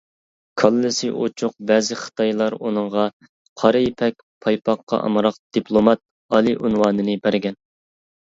كاللىسى ئوچۇق بەزى خىتايلار ئۇنىڭغا «قارا يىپەك پايپاققا ئامراق دىپلومات» ئالىي ئۇنۋانىنى بەرگەن.